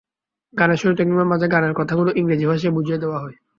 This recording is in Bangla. গানের শুরুতে কিংবা মাঝে গানের কথাগুলো ইংরেজি ভাষায় বুঝিয়ে দেওয়া হয়।